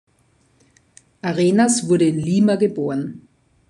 Arenas wurde in Lima geboren.